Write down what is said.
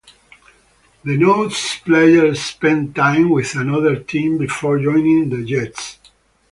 Denotes player spent time with another team before joining the Jets.